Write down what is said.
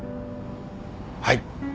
はい。